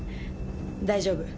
大丈夫。